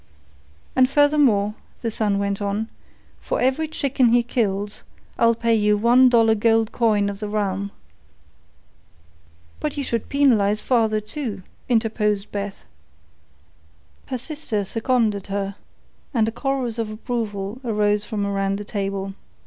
"And furthermore," the son went on, "for every chicken he kills, I'll pay you one dollar gold coin of the realm." "But you should penalise father, too," interpose Beth. Her sister seconded her, and a chorus of approval arose from around the table.